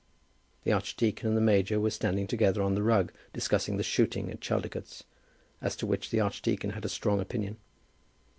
The archdeacon and the major were standing together on the rug discussing the shooting at Chaldicotes, as to which the archdeacon had a strong opinion.